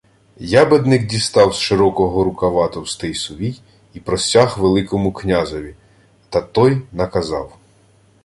Ябедник дістав з широкого рукава товстий сувій і простяг Великому князеві. Та той наказав: